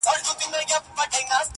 له جهان سره به سیال سيقاسم یاره